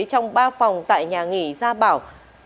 trong ba phòng tại nhà nghỉ gia bảo